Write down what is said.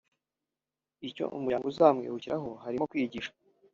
Icyo umuryango uzamwibukiraho harimo kwigisha